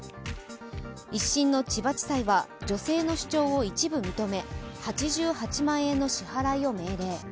１審の千葉地裁は、女性の主張を一部認め、８８万円の支払いを命令。